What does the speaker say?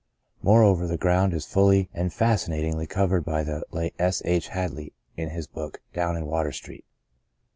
Moreover, the ground is fully and fascinatingly covered by the late S. H. Hadley in his book, Down in Water Street."